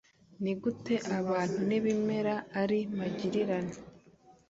Ni gute abantu n ibimera ari magirirane